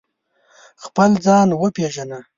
خپل ځان و پېژنه